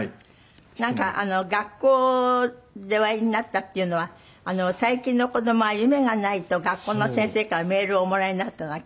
なんか学校でおやりになったっていうのは「最近の子供は夢がない」と学校の先生からメールをおもらいになったのがきっかけ？